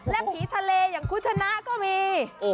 และผีทะเลอย่างคุณชนะก็มี